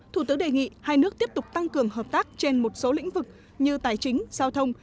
thủ tướng đề nghị hai nước tiếp tục tăng cường hợp tác trên một số lĩnh vực như tài chính giao thông